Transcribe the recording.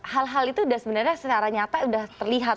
hal hal itu udah sebenarnya secara nyata udah terlihat